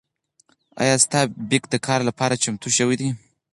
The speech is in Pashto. ایا ستا بیک د کار لپاره چمتو شوی دی؟